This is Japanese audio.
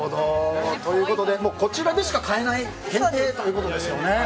ということで、こちらでしか買えない限定ということで。